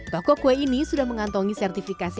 paku kue ini sudah mengantongi sertifikat